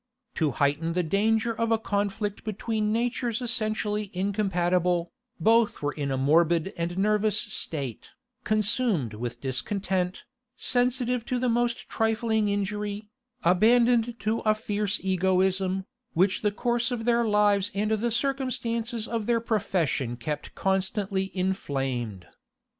To heighten the danger of a conflict between natures essentially incompatible, both were in a morbid and nervous state, consumed with discontent, sensitive to the most trifling injury, abandoned to a fierce egoism, which the course of their lives and the circumstances of their profession kept constantly inflamed.